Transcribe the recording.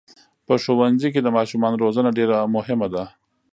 په ښوونځي کې د ماشومانو روزنه ډېره مهمه ده.